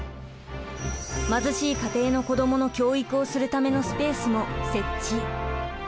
貧しい家庭の子どもの教育をするためのスペースも設置。